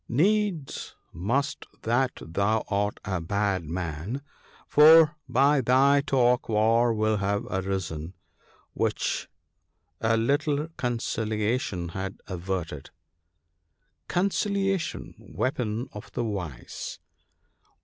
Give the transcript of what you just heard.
Needs must that thou art a bad man ; for by thy talk war will have arisen, which a little conciliation had averted :—" Conciliation !— weapon of the wise